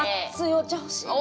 お茶ほしい。